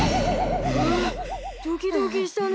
ハァドキドキしたね。